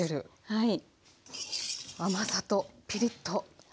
はい。